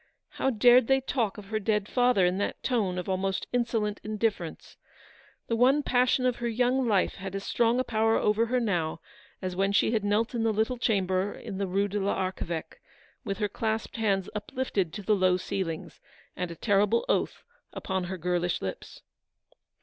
How dared they talk of her dead father in that tone of almost insolent indifference. The one passion of her young life had as strong a power over her now as when she had knelt in the little chamber in the Rue de l'Archeveque, with her clasped hands uplifted to the low ceiling, and a terrible oath upon her girlish lips.